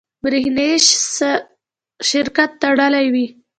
برېښنایي سرکټ تړلی وي.